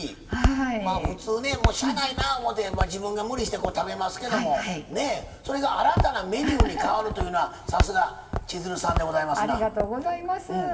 普通しゃあないなと思って自分が無理して食べますけどもそれが新たなメニューに変わるというのは、さすがありがとうございます。